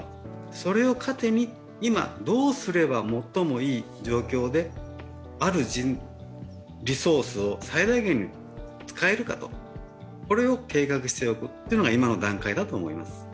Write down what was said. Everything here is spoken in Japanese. それを糧に、今どうすれば最もいい状況で、あるリソースを最大限に使えるか、これを計画しておくということが今の段階だと思います。